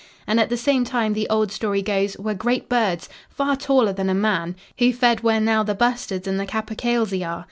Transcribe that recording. And at the same time, the old story goes, were great birds, far taller than a man, who fed where now the bustards and the capercailzie are.